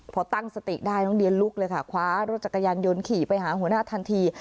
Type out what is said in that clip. พอตั้งสติได้น้องเดียลุกเลยค่ะคว้ารถจักรยานยนต์ขี่ไปหาหัวหน้าทันที